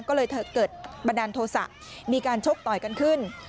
ก็เลยเกิดบันดาลโทษะมีการชกต่อยกันขึ้น